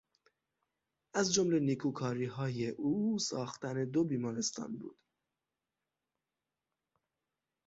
از جمله نیکوکاریهای او ساختن دو بیمارستان بود.